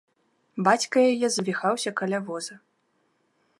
Бацька яе завіхаўся каля воза.